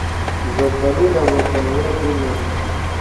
زردالو د ورورګلوۍ بوی لري.